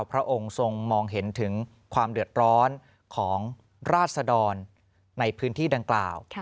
พระองค์ทรงมองเห็นถึงความเดือดร้อนของราศดรในพื้นที่ดังกล่าว